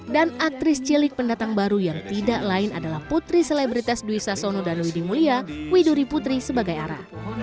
dan aktris cilik pendatang baru yang tidak lain adalah putri selebritas duisa sono dan widimulia widuri putri sebagai ara